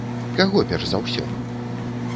Каго перш за ўсё?